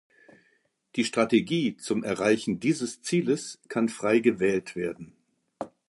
Die Strategie zum Erreichen dieses Zieles kann frei gewählt werden.